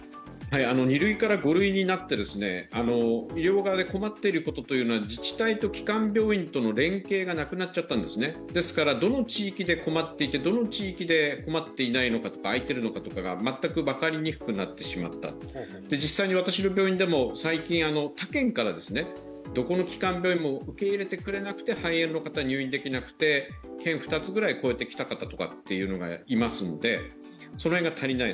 ２類から５類になって、医療側で困っていることは、自治体と基幹病院との連携がなくなっちゃったんですねですからどの地域で困っていてどの地域で困っていないのかとか空いているのかとかが全く分かりにくくなってしまった実際に私の病院でも、最近、他県から、どこの基幹病院も受け入れてくれなくて肺炎の方、入院できなくて県２つくらい越えてきた方っていうのがいますのでその辺が足りない。